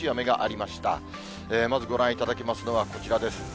まずご覧いただきますのは、こちらです。